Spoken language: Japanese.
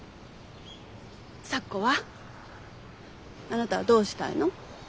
あなたはどうしたいの？